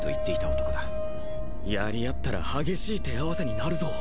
やり合ったら激しい手合わせになるぞ。